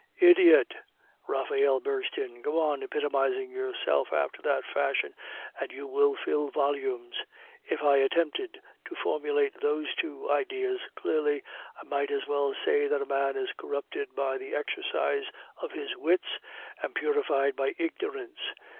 "Idiot!" Raphael burst in. "Go on epitomizing yourself after that fashion, and you will fill volumes. If I attempted to formulate those two ideas clearly, I might as well say that man is corrupted by the exercise of his wits, and purified by ignorance.